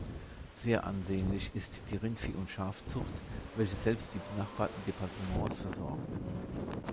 Sehr ansehnlich ist die Rindvieh- und Schafzucht, welche selbst die benachbarten Departements versorgt.